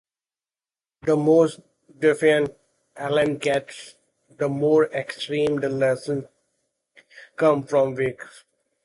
The more defiant Alan gets, the more extreme the lessons come from Vic.